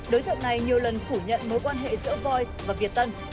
đối thượng này nhiều lần phủ nhận mối quan hệ giữa voi và việt tân